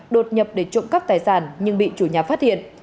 đột nhập để trộm cắp tài sản nhưng bị chủ nhà phát hiện